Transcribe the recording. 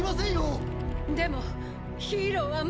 でもヒーローはもう。